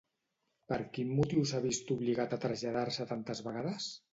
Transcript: Per quin motiu s'ha vist obligat a traslladar-se tantes vegades?